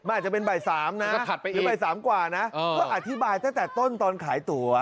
อาจจะเป็นบ่าย๓นะหรือบ่าย๓กว่านะก็อธิบายตั้งแต่ต้นตอนขายตัว